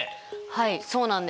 はいそうなんです。